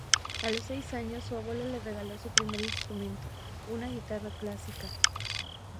A los seis años su abuelo le regaló su primer instrumento: una guitarra clásica.